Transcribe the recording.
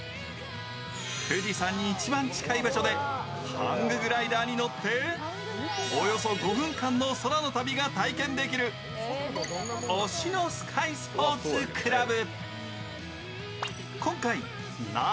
富士山に一番近い場所でハンググライダーに乗っておよそ５分間の空の旅が体験できる忍野スカイスポーツ倶楽部。